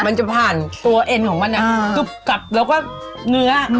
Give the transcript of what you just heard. มันจะผ่านตัวเอ็นของมันกรุบกลับแล้วก็เนื้อ